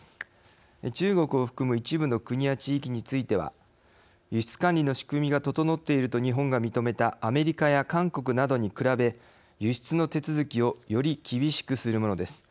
中国を含む一部の国や地域については輸出管理の仕組みが整っていると日本が認めたアメリカや韓国などに比べ輸出の手続きをより厳しくするものです。